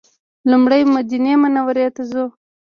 لومړی مدینې منورې ته ځو.